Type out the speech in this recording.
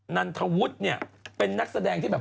นันธวุทพ์เนี่ยเป็นนักแสดงที่